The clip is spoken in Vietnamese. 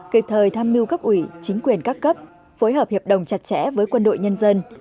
kịp thời tham mưu cấp ủy chính quyền các cấp phối hợp hiệp đồng chặt chẽ với quân đội nhân dân